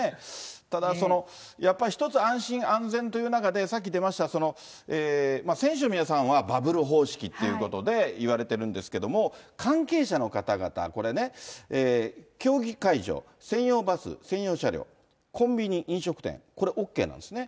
ただやっぱり、１つ、安心安全という中で、さっき出ました、選手の皆さんはバブル方式っていうことで、いわれてるんですけども、関係者の方々、これね、競技会場、専用バス、専用車両、コンビニ、飲食店、これ、ＯＫなんですね。